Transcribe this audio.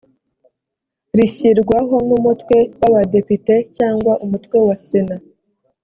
rishyirwaho n’umutwe w’abadepite cyangwa umutwe wa sena